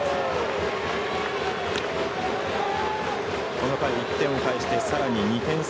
この回、１点を返してさらに２点差。